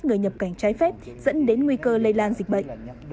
người nhập cảnh trái phép dẫn đến nguy cơ lây lan dịch bệnh